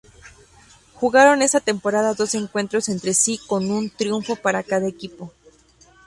Jugaron esa temporada dos encuentros entre sí con un triunfo para cada equipo.